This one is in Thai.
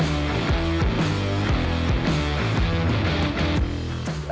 มคโดยโดยโดย